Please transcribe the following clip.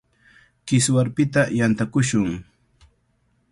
Kiswarpita yantakushun.